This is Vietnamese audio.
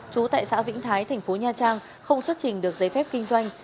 chú tại xã vĩnh thái tp nha trang không xuất trình được giấy phép kinh doanh